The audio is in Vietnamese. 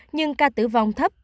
nhưng ca tử vong thấp